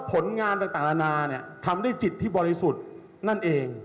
ว่าผลงานต่างนานาเนี่ยทำได้จิตที่บริสุทธิ์นั่นเอง